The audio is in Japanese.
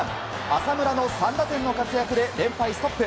浅村の３打点の活躍で連敗ストップ。